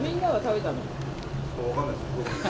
分からないです。